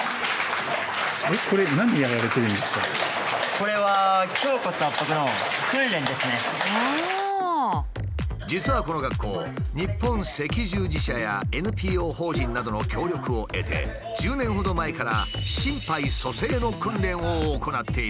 これは実はこの学校日本赤十字社やＮＰО法人などの協力を得て１０年ほど前から心肺蘇生の訓練を行っているという。